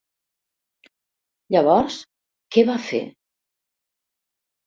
Llavors, què va fer?